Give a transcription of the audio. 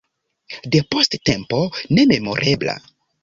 Depost tempo nememorebla.